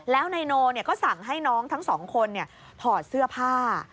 แล้วนายโนก็สั่งให้น้องทั้งสองคนถอดเสื้อผ้า